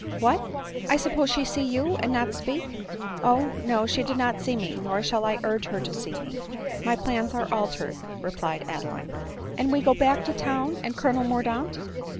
" What — I.suppose she see you, and not speak ?"" Oh, no ; she did not see me, nor shall I urge her to see me ; my plans are altered," replied Adeline. " And we go back to town and Colonel Mordaunt